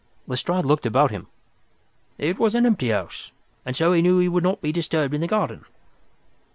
Lestrade looked about him. "It was an empty house, and so he knew that he would not be disturbed in the garden."